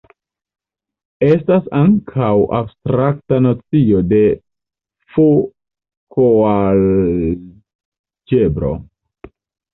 Estas ankaŭ abstrakta nocio de F-koalĝebro.